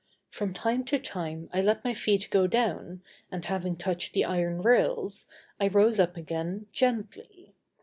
From time to time I let my feet go down and, having touched the iron rails, I rose up again, gently.